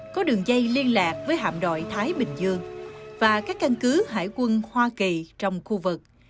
có đường dây liên lạc với hạm đội thái bình dương và các căn cứ hải quân hoa kỳ trong khu vực